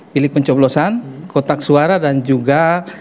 bilik pencoblosan kotak suara dan juga